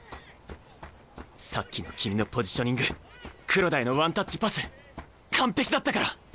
さっきの君のポジショニング黒田へのワンタッチパス完璧だったから！